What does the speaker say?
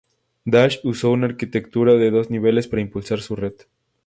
Dash usa una arquitectura de dos niveles para impulsar su red.